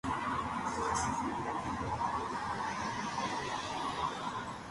Los colores tradicionales del equipo siempre fueron el blanco y el azul.